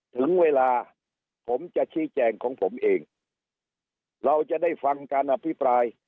ถึงเวลาผมจะชี้แจงของผมเองเราจะได้ฟังการอภิปราย